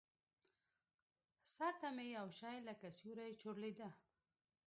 سر ته مې يو شى لکه سيورى چورلېده.